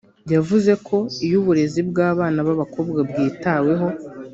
yavuze ko iyo uburezi bw’abana b’abakobwa bwitaweho